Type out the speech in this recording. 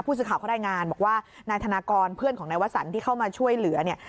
สื่อข่าวเขารายงานบอกว่านายธนากรเพื่อนของนายวสันที่เข้ามาช่วยเหลือเนี่ย